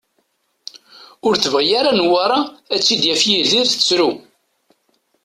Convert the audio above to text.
Ur tebɣi ara Newwara ad tt-id-yaf Yidir tettru.